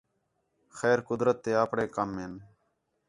خیر قدرت تے آپݨے کَم ہِن